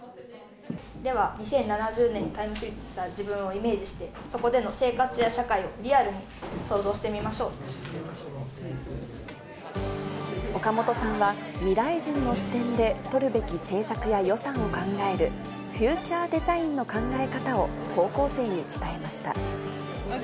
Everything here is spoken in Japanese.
では、２０７０年にタイムスリップした自分をイメージして、そこでの生活や社会をリアルに想岡本さんは、未来人の視点で、取るべき政策や予算を考える、フューチャーデザインの考え方を高校生に伝えました。